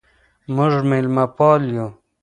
موږ ميلمه پال يو.